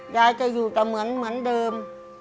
ยายจะอยู่แต่เหมือนเดิม